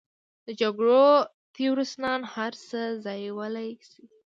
د جګړو تیورسنان هر څه ځایولی شي.